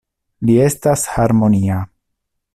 Li estas harmonia.